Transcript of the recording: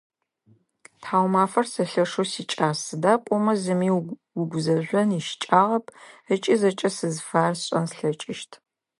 Тхьаумафэр сэ лъэшэу сикӏас, сыда пӏомэ зыми угузэжъон ищыкӏагъэп ыкӏи зэкӏэ сызыфаер сшӏэн слъэкӏыщт.